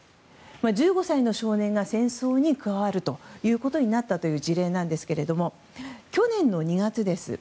１５歳の少年が戦争に加わることになった事例なんですけど去年の２月です。